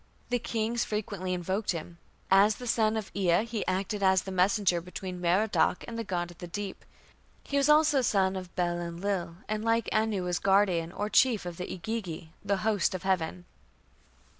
The kings frequently invoked him. As the son of Ea he acted as the messenger between Merodach and the god of the deep. He was also a son of Bel Enlil, and like Anu was guardian or chief of the Igigi, the "host of heaven".